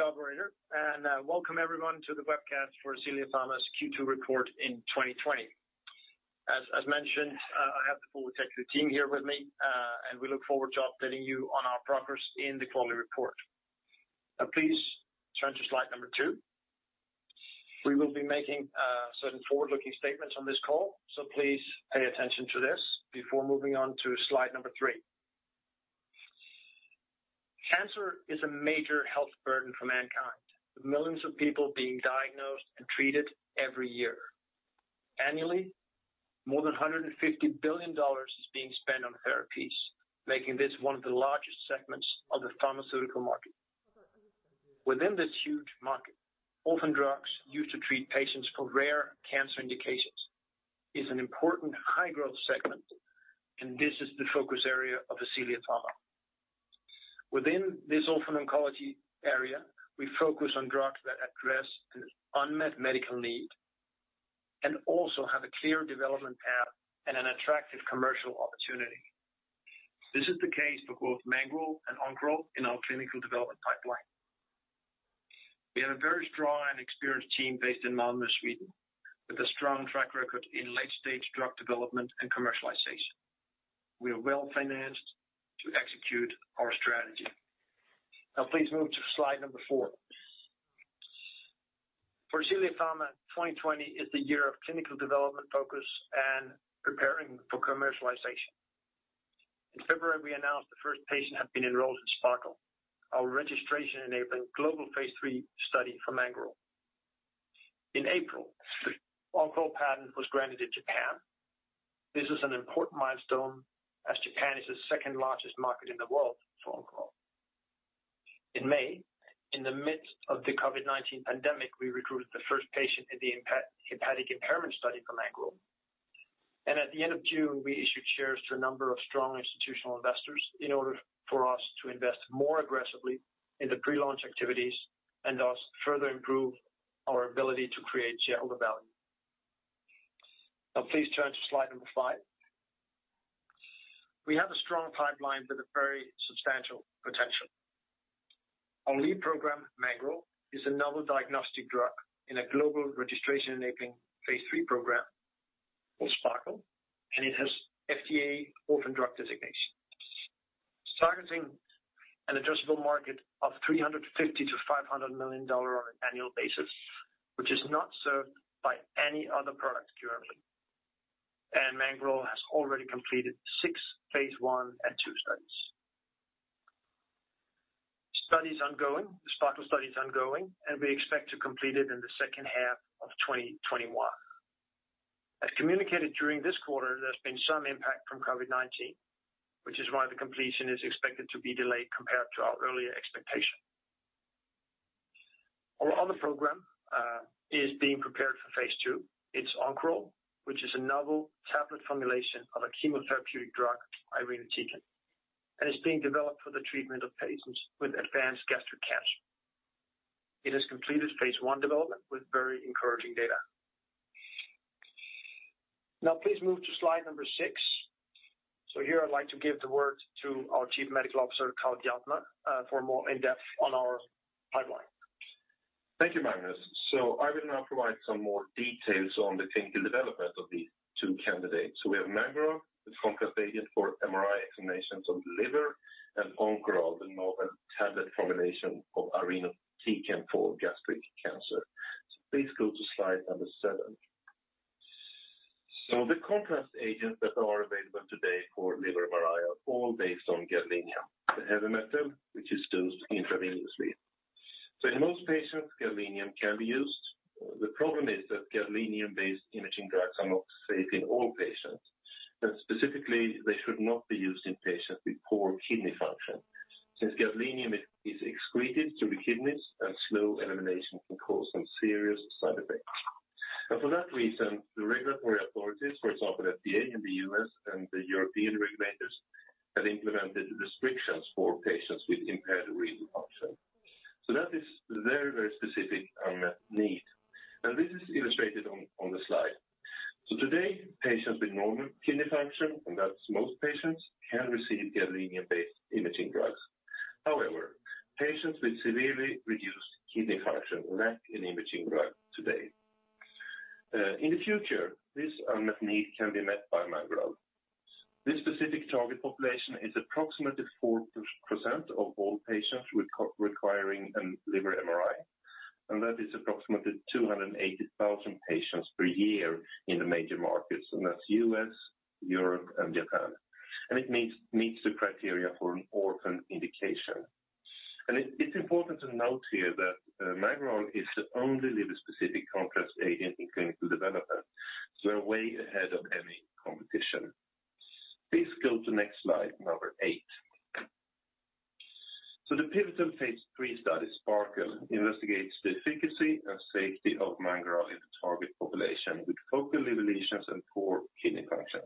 Thank you, operator, and welcome everyone to the webcast for Ascelia Pharma's Q2 report in 2020. As mentioned, I have the full executive team here with me. We look forward to updating you on our progress in the quarterly report. Now please turn to slide number 2. We will be making certain forward-looking statements on this call. Please pay attention to this before moving on to slide number 3. Cancer is a major health burden for mankind, with millions of people being diagnosed and treated every year. Annually, more than SEK 150 billion is being spent on therapies, making this one of the largest segments of the pharmaceutical market. Within this huge market, orphan drugs used to treat patients for rare cancer indications is an important high-growth segment. This is the focus area of Ascelia Pharma. Within this orphan oncology area, we focus on drugs that address an unmet medical need and also have a clear development path and an attractive commercial opportunity. This is the case for both Mangoral and Oncoral in our clinical development pipeline. We have a very strong and experienced team based in Malmö, Sweden, with a strong track record in late-stage drug development and commercialization. We are well-financed to execute our strategy. Now please move to slide number 4. For Ascelia Pharma, 2020 is the year of clinical development focus and preparing for commercialization. In February, we announced the first patient had been enrolled in SPARKLE, our registration-enabling global phase III study for Mangoral. In April, Oncoral patent was granted in Japan. This is an important milestone as Japan is the second-largest market in the world for Oncoral. In May, in the midst of the COVID-19 pandemic, we recruited the first patient in the hepatic impairment study for Mangoral. At the end of June, we issued shares to a number of strong institutional investors in order for us to invest more aggressively in the pre-launch activities and thus further improve our ability to create shareholder value. Now please turn to slide number 5. We have a strong pipeline with a very substantial potential. Our lead program, Mangoral, is a novel diagnostic drug in a global registration-enabling phase III program called SPARKLE, and it has FDA orphan drug designation. It's targeting an addressable market of SEK 350 million-SEK 500 million on an annual basis, which is not served by any other product currently. Mangoral has already completed six phase I and II studies. The SPARKLE study is ongoing, and we expect to complete it in the second half of 2021. As communicated during this quarter, there's been some impact from COVID-19, which is why the completion is expected to be delayed compared to our earlier expectation. Our other program is being prepared for phase II. It's Oncoral, which is a novel tablet formulation of a chemotherapeutic drug, irinotecan, and is being developed for the treatment of patients with advanced gastric cancer. It has completed phase I development with very encouraging data. Please move to slide number 6. Here I'd like to give the word to our Chief Medical Officer, Carl Bjartmar, for more in-depth on our pipeline. Thank you, Magnus. I will now provide some more details on the clinical development of these two candidates. We have Mangoral, the contrast agent for MRI examinations of the liver, and Oncoral, the novel tablet formulation of irinotecan for gastric cancer. Please go to slide number 7. The contrast agents that are available today for liver MRI are all based on gadolinium, a heavy metal which is dosed intravenously. In most patients, gadolinium can be used. The problem is that gadolinium-based imaging drugs are not safe in all patients, and specifically, they should not be used in patients with poor kidney function. Since gadolinium is excreted through the kidneys and slow elimination can cause some serious side effects. For that reason, the regulatory authorities, for example, FDA in the U.S. and the European regulators, have implemented restrictions for patients with impaired renal function. That is a very, very specific unmet need. This is illustrated on the slide. Today, patients with normal kidney function, and that's most patients, can receive gadolinium-based imaging drugs. However, patients with severely reduced kidney function lack an imaging drug today. In the future, this unmet need can be met by Mangoral. This specific target population is approximately 4% of all patients requiring a liver MRI, and that is approximately 280,000 patients per year in the major markets, and that's U.S., Europe, and Japan. It meets the criteria for an orphan indication. It's important to note here that Mangoral is the only liver-specific contrast agent in clinical development, we're way ahead of any competition. Please go to next slide, number 8. The pivotal phase III study, SPARKLE, investigates the efficacy and safety of Mangoral in the target population with focal liver lesions and poor kidney function.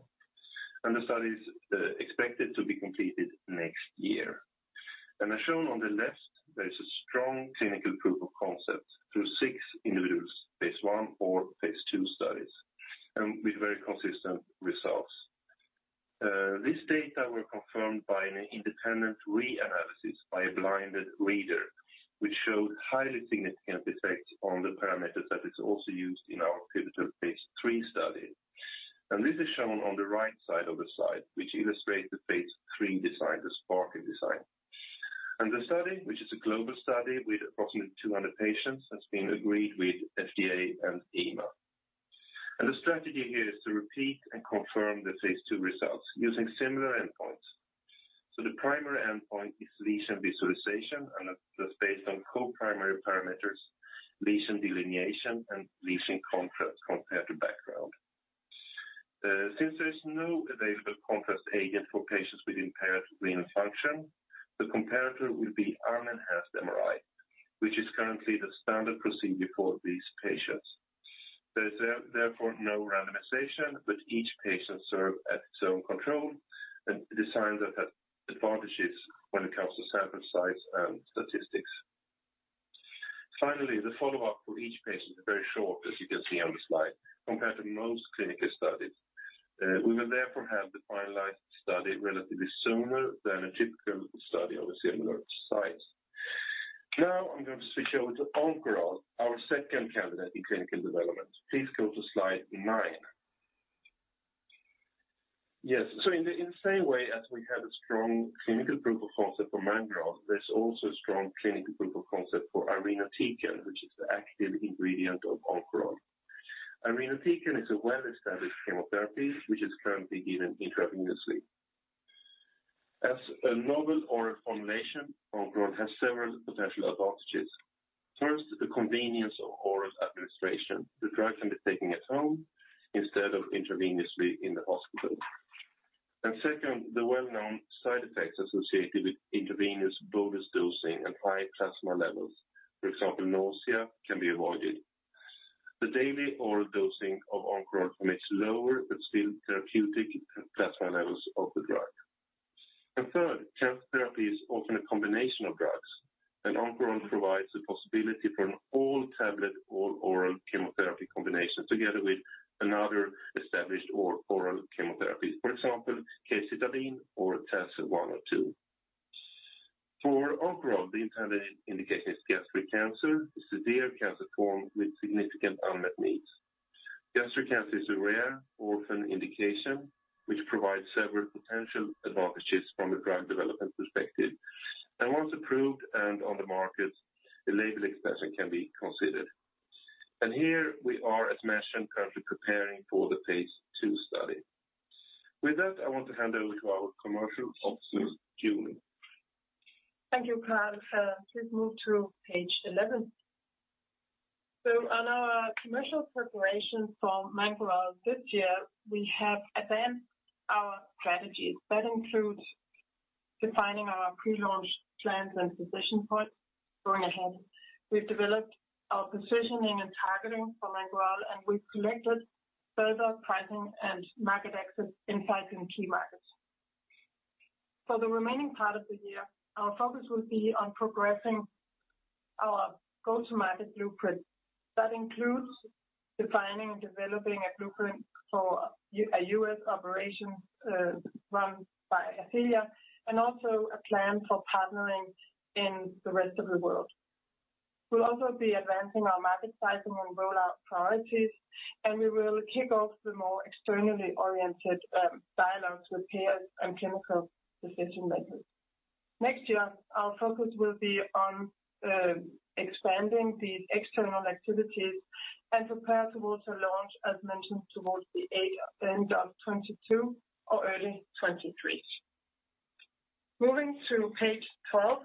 The study is expected to be completed next year. As shown on the left, there is a strong clinical proof of concept through six individual phase I or phase II studies and with very consistent results. This data were confirmed by an independent re-analysis by a blinded reader, which showed highly significant effects on the parameters that is also used in our pivotal Phase III study. This is shown on the right side of the slide, which illustrates the Phase III design, the SPARKLE design. The study, which is a global study with approximately 200 patients, has been agreed with FDA and EMA. The strategy here is to repeat and confirm the Phase II results using similar endpoints. The primary endpoint is lesion visualization, and that's based on co-primary parameters, lesion delineation, and lesion contrast compared to background. Since there is no available contrast agent for patients with impaired renal function, the comparator will be unenhanced MRI, which is currently the standard procedure for these patients. There's therefore no randomization but each patient serve as its own control, and design that has advantages when it comes to sample size and statistics. Finally, the follow-up for each patient is very short, as you can see on the slide, compared to most clinical studies. We will therefore have the finalized study relatively sooner than a typical study of a similar size. Now I'm going to switch over to Oncoral, our second candidate in clinical development. Please go to slide 9. Yes, in the same way as we have a strong clinical proof of concept for Mangoral, there's also strong clinical proof of concept for irinotecan, which is the active ingredient of Oncoral. Irinotecan is a well-established chemotherapy, which is currently given intravenously. As a novel oral formulation, Oncoral has several potential advantages. First, the convenience of oral administration. The drug can be taken at home instead of intravenously in the hospital. Second, the well-known side effects associated with intravenous bolus dosing and high plasma levels. For example, nausea can be avoided. The daily oral dosing of Oncoral permits lower but still therapeutic plasma levels of the drug. Third, cancer therapy is often a combination of drugs, and Oncoral provides the possibility for an all-tablet or oral chemotherapy combination together with another established oral chemotherapy. For example, capecitabine or TS-1. For Oncoral, the intended indication is gastric cancer, a severe cancer form with significant unmet needs. Gastric cancer is a rare orphan indication, which provides several potential advantages from a drug development perspective. Once approved and on the market, the label expansion can be considered. Here we are, as mentioned, currently preparing for the phase II study. With that, I want to hand over to our Chief Commercial Officer, Julie. Thank you, Carl. Please move to page 11. On our commercial preparation for Mangoral this year, we have advanced our strategies. That includes defining our pre-launch plans and position point going ahead. We've developed our positioning and targeting for Mangoral, and we've collected further pricing and market access insights in key markets. For the remaining part of the year, our focus will be on progressing our go-to-market blueprint. That includes defining and developing a blueprint for a U.S. operation run by Ascelia, and also a plan for partnering in the rest of the world. We'll also be advancing our market sizing and rollout priorities, and we will kick off the more externally oriented dialogues with payers and clinical decision makers. Next year, our focus will be on expanding these external activities and prepare towards a launch, as mentioned, towards the end of 2022 or early 2023. Moving to page 12.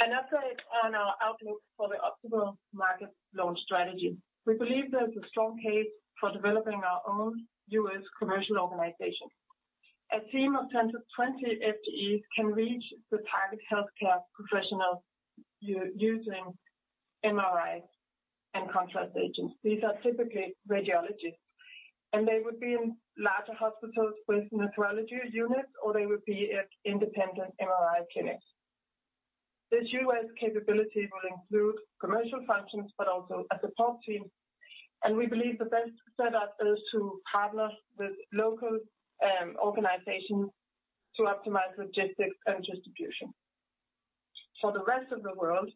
An update on our outlook for the optimal market launch strategy. We believe there is a strong case for developing our own U.S. commercial organization. A team of 10 to 20 FTEs can reach the target healthcare professionals using MRIs and contrast agents. These are typically radiologists, and they would be in larger hospitals with nephrology units, or they would be at independent MRI clinics. This U.S. capability will include commercial functions, but also a support team. We believe the best setup is to partner with local organizations to optimize logistics and distribution. For the rest of the world,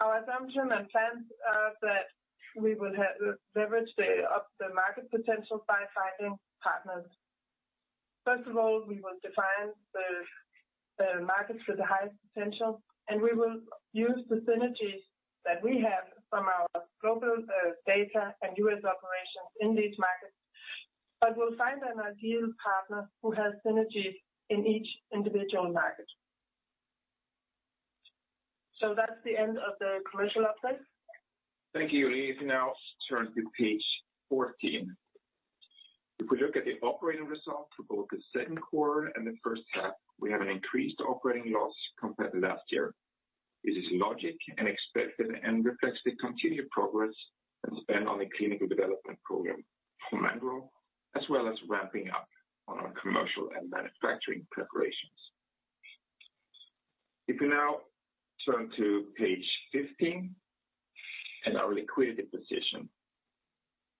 our assumption and plans are that we will leverage the market potential by finding partners. First of all, we will define the markets with the highest potential, and we will use the synergies that we have from our global data and U.S. operations in these markets. We'll find an ideal partner who has synergies in each individual market. That's the end of the commercial update. Thank you, Julie. You now turn to page 14. We look at the operating result for both the second quarter and the first half, we have an increased operating loss compared to last year. This is logic and expected and reflects the continued progress and spend on the clinical development program for Mangoral, as well as ramping up on our commercial and manufacturing preparations. You now turn to page 15 and our liquidity position.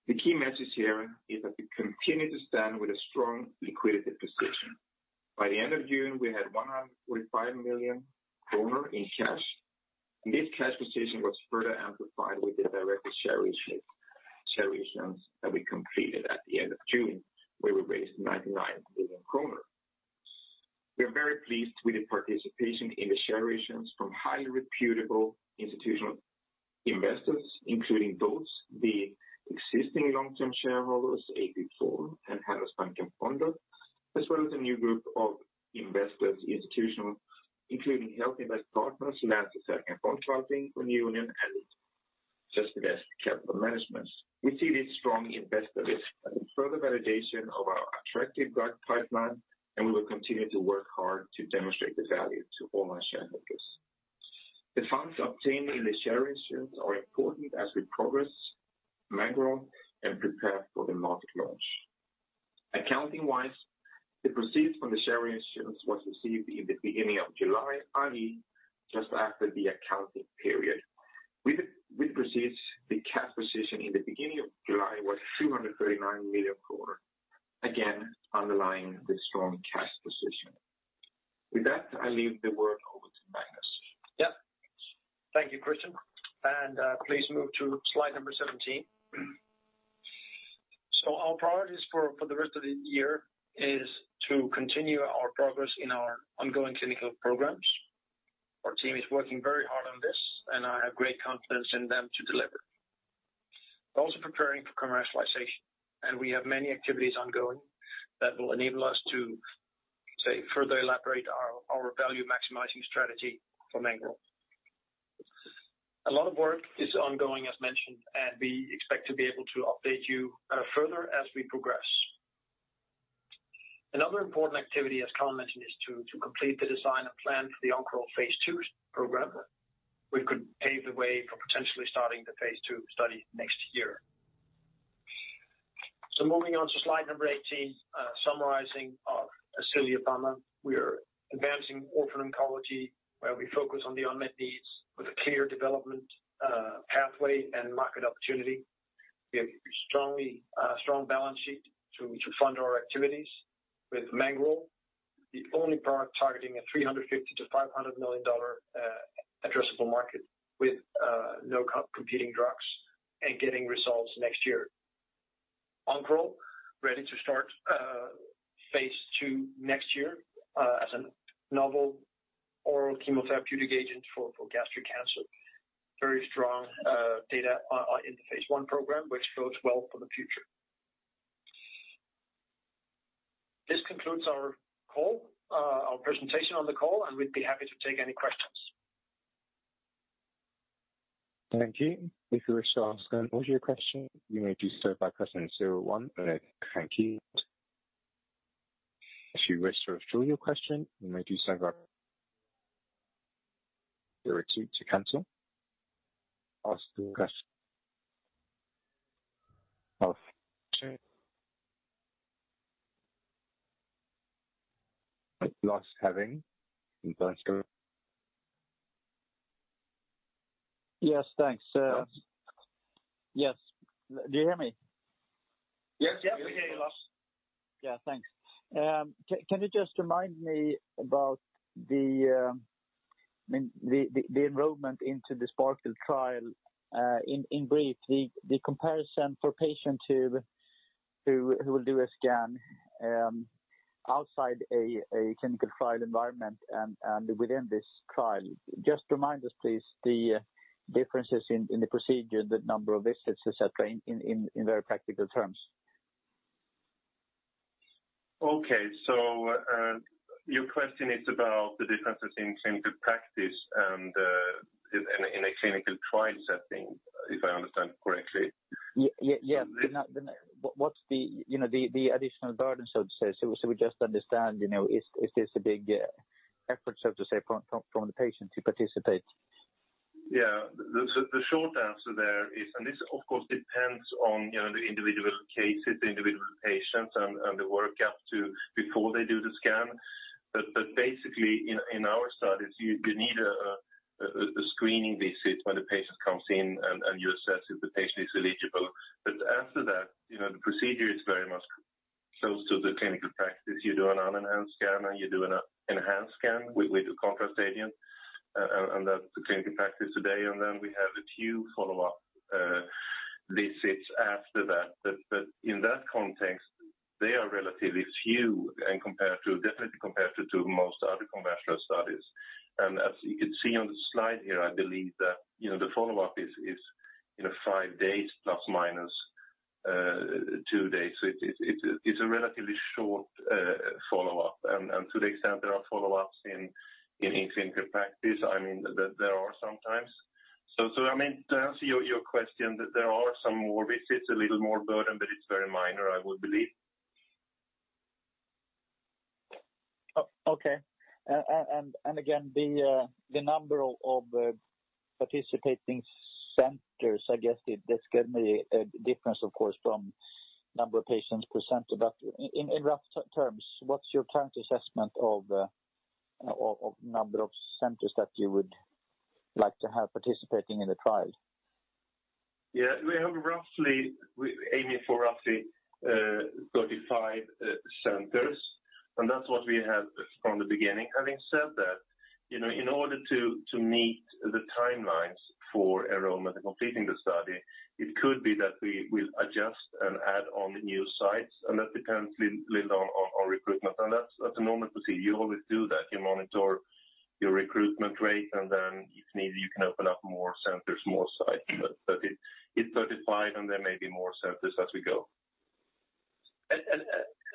The key message here is that we continue to stand with a strong liquidity position. By the end of June, we had 145 million kronor in cash, and this cash position was further amplified with the director share issuance that we completed at the end of June, where we raised 99 million kronor. We are very pleased with the participation in the share issuance from highly reputable institutional investors, including both the existing long-term shareholders, AP4 and Handelsbanken Fonder, as well as a new group of investors, institutional, including Healthinvest Partners, Länsförsäkringar Fondförvaltning, Unionen, and OstVast Capital Management. We see this strong investor list as a further validation of our attractive drug pipeline, and we will continue to work hard to demonstrate the value to all our shareholders. The funds obtained in the share issuance are important as we progress Mangoral and prepare for the market launch. Accounting-wise, the proceeds from the share issuance was received in the beginning of July, i.e., just after the accounting period. With the proceeds, the cash position in the beginning of July was 339 million, again, underlying the strong cash position. With that, I leave the word over to Magnus. Yeah. Thank you, Kristian. Please move to slide number 17. Our priorities for the rest of the year is to continue our progress in our ongoing clinical programs. Our team is working very hard on this, and I have great confidence in them to deliver. We're also preparing for commercialization, and we have many activities ongoing that will enable us to, say, further elaborate our value-maximizing strategy for Mangoral. A lot of work is ongoing, as mentioned, and we expect to be able to update you further as we progress. Another important activity, as Carl mentioned, is to complete the design and plan for the Oncoral phase II program, which could pave the way for potentially starting the phase II study next year. Moving on to slide number 18, summarizing Ascelia Pharma. We are advancing orphan oncology, where we focus on the unmet needs with a clear development pathway and market opportunity. We have a strong balance sheet to fund our activities with Mangoral, the only product targeting a SEK 350 million-SEK 500 million addressable market with no competing drugs and getting results next year. Oncoral, ready to start phase II next year as a novel oral chemotherapeutic agent for gastric cancer. Very strong data in the phase I program, which bodes well for the future. This concludes our presentation on the call, and we'd be happy to take any questions. Thank you. If you wish to ask an audio question, you may do so by pressing zero one. If you wish to withdraw your question, you may. Ask the question. Lars Hevreng. Yes, thanks. Yes. Do you hear me? Yes, we hear you, Lars. Yeah, thanks. Can you just remind me about the enrollment into the SPARKLE trial? In brief, the comparison for patient who will do a scan outside a clinical trial environment and within this trial. Just remind us, please, the differences in the procedure, the number of visits, et cetera, in very practical terms. Okay. Your question is about the differences in clinical practice and in a clinical trial setting, if I understand correctly. Yes. The additional burden, so to say. We just understand, is this a big effort, so to say, from the patient to participate? Yeah. The short answer there is, and this of course depends on the individual cases, the individual patients, and the work-up before they do the scan. Basically, in our studies, you need a screening visit when the patient comes in, and you assess if the patient is eligible. After that, the procedure is very much close to the clinical practice. You do an unenhanced scan, and you do an enhanced scan. We do contrast agents, and that's the clinical practice today. Then we have a few follow-up visits after that. In that context, they are relatively few, definitely compared to most other conventional studies. As you can see on the slide here, I believe that the follow-up is five days, plus, minus two days. It's a relatively short follow-up. To the extent there are follow-ups in clinical practice, there are sometimes. To answer your question, there are some more visits, a little more burden, but it's very minor, I would believe. Okay. Again, the number of participating centers, I guess this could be a difference, of course, from-Number of patients per center. In rough terms, what's your current assessment of number of centers that you would like to have participating in the trial? Yeah, we're aiming for roughly 35 centers, and that's what we had from the beginning. Having said that, in order to meet the timelines for enrollment and completing the study, it could be that we will adjust and add on new sites, and that depends a little on our recruitment. That's at the moment to see. You always do that. You monitor your recruitment rate, and then if need be, you can open up more centers, more sites. It's 35, and there may be more centers as we go.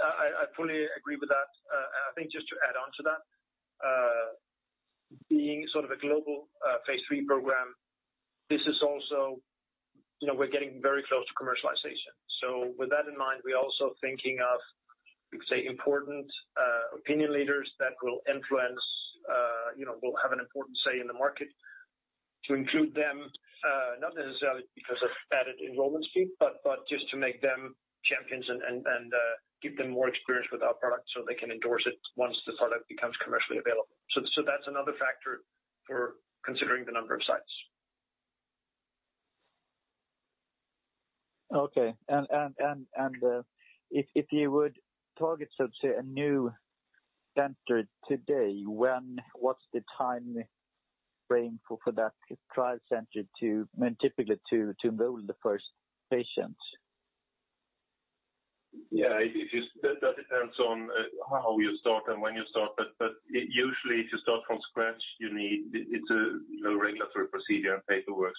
I fully agree with that. I think just to add on to that, being sort of a global phase III program, we're getting very close to commercialization. With that in mind, we're also thinking of, we could say important opinion leaders that will have an important say in the market to include them, not necessarily because of added enrollment fee, but just to make them champions and give them more experience with our product so they can endorse it once the product becomes commercially available. That's another factor for considering the number of sites. Okay. If you would target, so say a new center today, what's the timeframe for that trial center to typically enroll the first patient? Yeah. That depends on how you start and when you start. Usually if you start from scratch, it's a regulatory procedure and paperwork.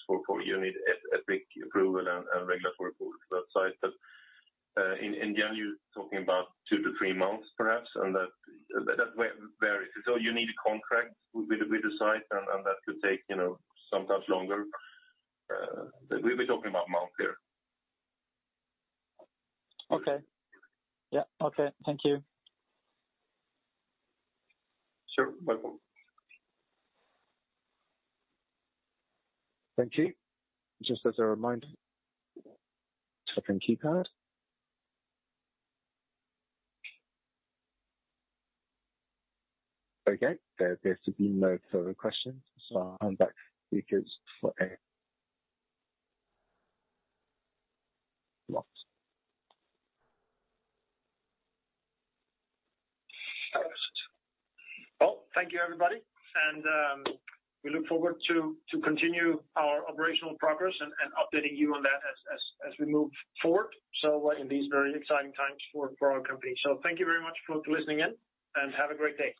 You need ethics approval and regulatory approval for that site. In general, you're talking about two to three months perhaps, and that varies. You need a contract with the site and that could take sometimes longer. We'll be talking about months here. Okay. Yeah. Okay. Thank you. Sure. Welcome. Thank you. Just as a reminder, typing keypad. Okay, there seem to be no further questions, so hand back to speakers for any last comments. Well, thank you, everybody, and we look forward to continue our operational progress and updating you on that as we move forward in these very exciting times for our company. Thank you very much for listening in, and have a great day.